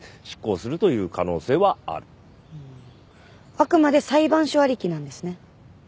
あくまで裁判所ありきなんですね。